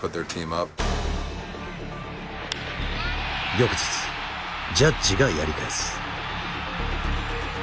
翌日ジャッジがやり返す。